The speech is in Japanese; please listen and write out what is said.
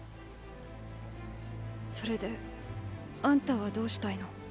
それであんたはどうしたいの？